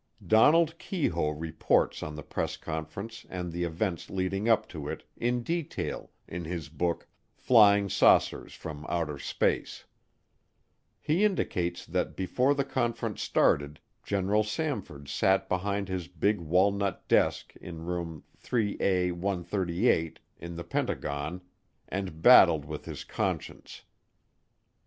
Donald Keyhoe reports on the press conference and the events leading up to it in detail in his book, Flying Saucers from Outer Space. He indicates that before the conference started, General Samford sat behind his big walnut desk in Room 3A138 in the Pentagon and battled with his conscience.